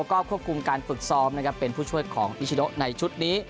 ก็ควบคุมการฝึกซ้อมนะครับเป็นผู้ช่วยของนิชโนในชุดนี้